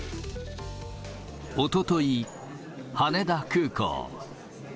おととい、羽田空港。